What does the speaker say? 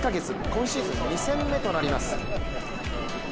今シーズン２戦目となります。